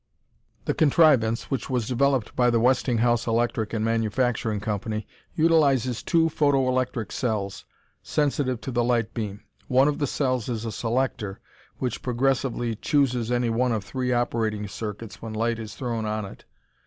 The contrivance, which was developed by the Westinghouse Electric and Manufacturing Company, utilizes two photo electric cells, sensitive to the light beam. One of the cells is a selector, which progressively chooses any one of three operating circuits when light is thrown on it.